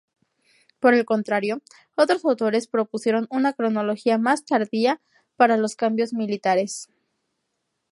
Por el contrario, otros autores propusieron una cronología más tardía para los cambios militares.